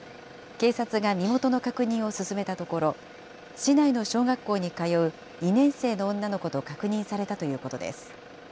警察が身元の確認を進めたところ、市内の小学校に通う２年生の女の子と確認されたということです。